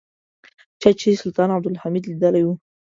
چا چې سلطان عبدالحمید لیدلی و.